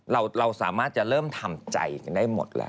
เราสามารถจะเริ่มทำใจกันได้หมดแล้ว